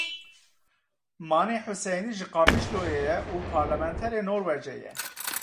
Manî Huseynî ji Qamişloyê ye û parlementerê Norwêcê ye.